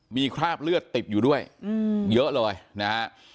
มีคราบเลือดติดอยู่ด้วยเยอะเลยนะฮะ